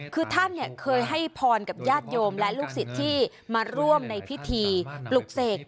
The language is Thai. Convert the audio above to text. คือท่านเคยให้พรกับญาติโยมและลูกศิษย์ที่มาร่วมในพิธีปลุกเสก